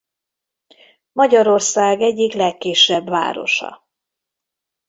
Magyarország egyik legkisebb városa.